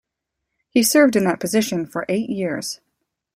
He served in that position for eight years.